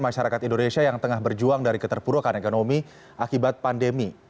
masyarakat indonesia yang tengah berjuang dari keterpurukan ekonomi akibat pandemi